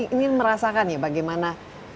ini merasakan ya bagaimana